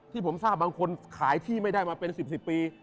ที่ผมทราบบางคนขายที่ไม่ได้มาเป็น๑๐ปี